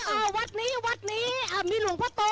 วัดนี้วัดนี้มีหลวงพ่อโต